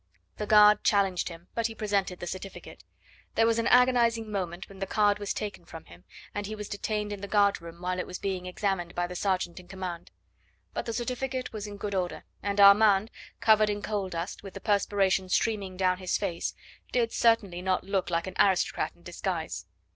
The guard challenged him, but he presented the certificate. There was an agonising moment when the card was taken from him, and he was detained in the guard room while it was being examined by the sergeant in command. But the certificate was in good order, and Armand, covered in coal dust, with the perspiration streaming down his face, did certainly not look like an aristocrat in disguise.